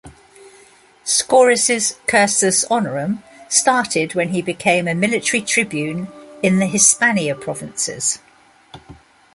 Scaurus' "cursus honorum" started when he became a military tribune in the Hispania provinces.